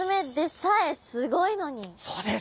そうです。